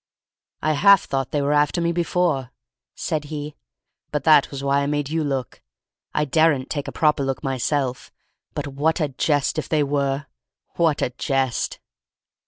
"I half thought they were after me before," said he. "That was why I made you look. I daren't take a proper look myself, but what a jest if they were! What a jest!"